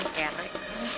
kan kerek kamu